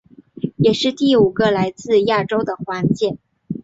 也是第五个来自亚洲的环姐。